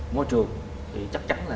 môi trường thì chắc chắn là